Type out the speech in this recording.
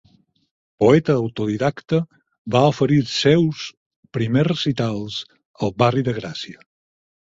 Poeta autodidacta, va oferir els seus primers recitals al barri de Gràcia.